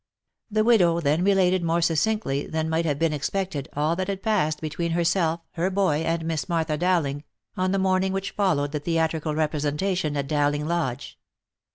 The widow then related more succinctly than might have been ex pected, all that had passed between herself, her boy, and Miss Martha Dowling, on the morning which followed the theatrical representation at Dowling Lodge.